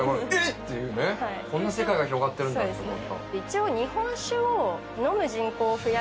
こんな世界が広がってるんだと思った。